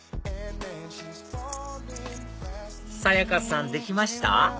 沙也加さんできました？